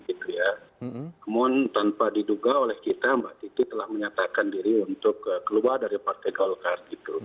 namun tanpa diduga oleh kita mbak titi telah menyatakan diri untuk keluar dari partai golkar